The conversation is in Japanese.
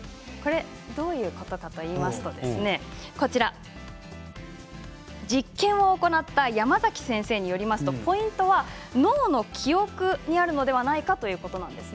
どういうことかといいますと実験を行った山崎先生によりますと、ポイントは脳の記憶にあるのではないかということなんです。